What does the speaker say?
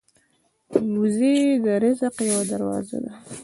وزې د رزق یوه دروازه ده